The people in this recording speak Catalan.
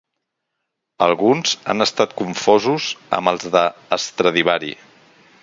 Alguns han estat confosos amb els de Stradivari.